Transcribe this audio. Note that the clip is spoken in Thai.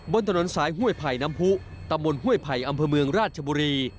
บนถนนสายห้วยไผ่น้ำผู้ตำบลห้วยไผ่อำเภอเมืองราชบุรี